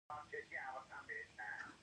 حج د یووالي نښه ده